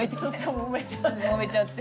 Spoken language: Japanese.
もめちゃって。